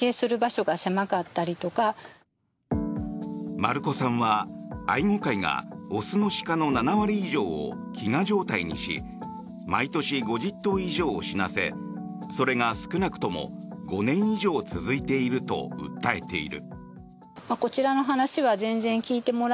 丸子さんは愛護会が雄の鹿の７割以上を飢餓状態にし毎年５０頭以上を死なせそれが少なくとも５年以上続いていると訴えている。